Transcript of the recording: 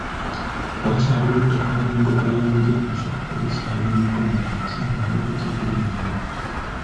Wakyaliwo ettaka ly’embuga ya Mujaguzo erikyali mu mikono emikyamu naye tujja kulinunula.